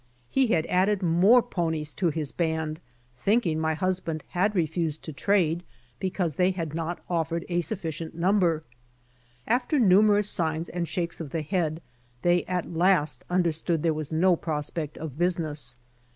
He had added more ponies' to his band, thinking my hus band had refused to trade because they had not offered a sufficient number. After numerous signs and shakes of the head, they at last understood there was no prospect of business.